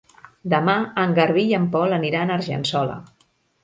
Demà en Garbí i en Pol aniran a Argençola.